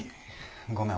ごめん。